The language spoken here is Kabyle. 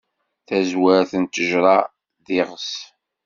Tazwert n ttejṛa, d iɣes.